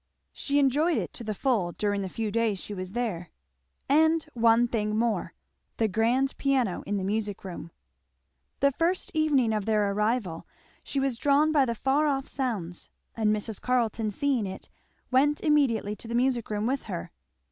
She enjoyed it to the full during the few days she was there. And one thing more, the grand piano in the music room. The first evening of their arrival she was drawn by the far off sounds, and Mrs. Carleton seeing it went immediately to the music room with her.